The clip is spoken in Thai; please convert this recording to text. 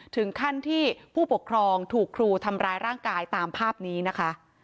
ถึงขั้นที่ผู้ปกครองถูกครูทำร้ายร่างกายตามภาพนี้นะคะ